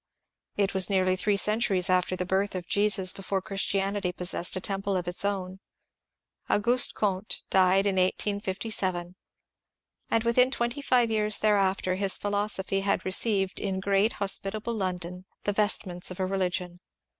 It was nearly three centuries after the birth of Jesus before Christianity possessed a temple of its own* Ao guste Comte died in 1857, and within twenty five years there 380 MONCURE DANIEL CONWAY after his philosophy had received in great, hospitable Londcm the vestmeDts of a religion.